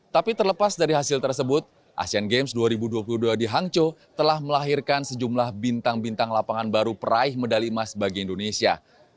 tapi terlepas dari hasil tersebut asean games dua ribu dua puluh dua di hangzhou telah melahirkan sejumlah bintang bintang lapangan baru peraih medali emas bagi indonesia